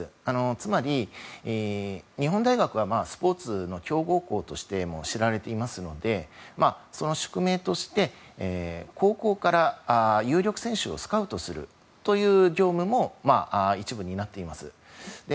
つまり、日本大学はスポーツの強豪校として知られていますのでその宿命として高校から有力選手をスカウトするという業務も一部担っています。